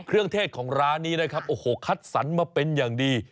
เทศของร้านนี้นะครับโอ้โหคัดสรรมาเป็นอย่างดี